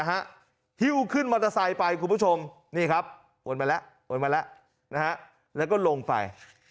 ฮิ้วขึ้นมอเตอร์ไซค์ไปคุณผู้ชมนี่ครับวนมาแล้ววนมาแล้วแล้วก็ลงไป